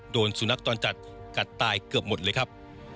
โดนสุนัขจรจัดกัดตายเกือบหมดเลยครับ